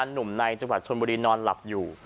หนุ่มในจังหวัดชนบุรีนอนหลับอยู่